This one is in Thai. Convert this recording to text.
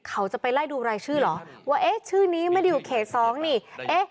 เขาจะไปไล่ดูรายชื่อหรอว่าเอ๊ะชื่อนี้ไม่ได้อยู่เหตุคาร์ชรองเนี่ย